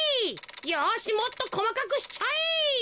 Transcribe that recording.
よしもっとこまかくしちゃえ。